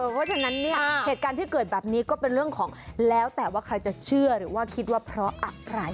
เพราะฉะนั้นเนี่ยเหตุการณ์ที่เกิดแบบนี้ก็เป็นเรื่องของแล้วแต่ว่าใครจะเชื่อหรือว่าคิดว่าเพราะอะไร